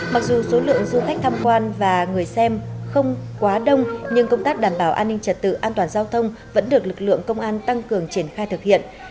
mặc dù số lượng du khách tham quan và người xem không quá đông nhưng công tác đảm bảo an ninh trật tự an toàn giao thông vẫn được lực lượng công an tăng cường triển khai thực hiện